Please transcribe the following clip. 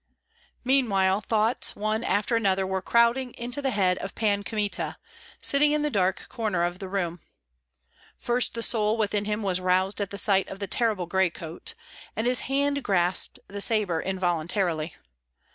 Meanwhile thoughts one after another were crowding to the head of Pan Kmita, sitting in the dark corner of the room. First the soul within him was roused at sight of the terrible graycoat, and his hand grasped the sabre involuntarily.